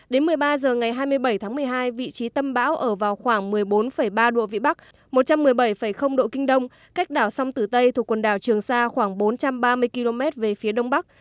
đến một mươi ba h ngày hai mươi bảy tháng một mươi hai vị trí tâm bão ở vào khoảng một mươi bốn ba độ vĩ bắc một trăm một mươi bảy độ kinh đông cách đảo song tử tây thuộc quần đảo trường sa khoảng bốn trăm ba mươi km về phía đông bắc